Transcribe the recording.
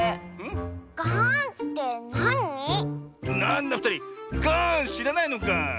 なんだふたりガーンしらないのかあ。